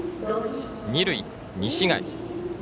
二塁、西貝。